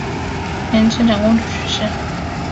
延庆长公主去世。